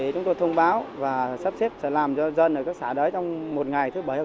chúng tôi chủ động phối hợp với trưởng an các xã ở một xã trung tâm